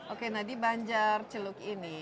oke nah di banjar celuk ini